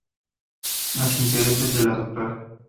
Los intereses de la Dra.